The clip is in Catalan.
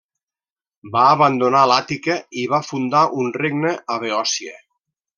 Va abandonar l'Àtica i va fundar un regne a Beòcia.